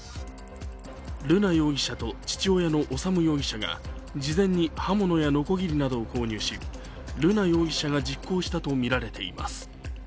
瑠奈容疑者と父親の修容疑者が事前に刃物やのこぎりなどを購入し瑠奈容疑者が実行したとみられています。